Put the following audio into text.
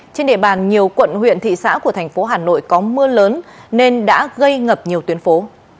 trên địa bàn nhiều quận huyện thị xã của thành phố hà nội có mưa lớn nên đã gây ngập nhiều tuyến phố